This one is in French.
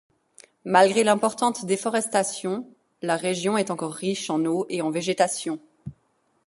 Malgré l'importante déforestation, la région est encore riche en eau et en végétation.